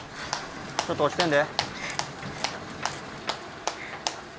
ちょっと落ちてんで。